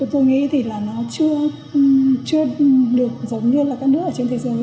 tôi nghĩ thì là nó chưa được giống như là các nước ở trên thế giới